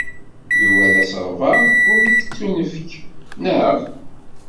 Yuba d asegbar umi tettunefk, naɣ?